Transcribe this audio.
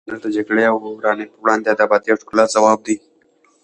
هنر د جګړې او ورانۍ پر وړاندې د ابادۍ او ښکلا ځواب دی.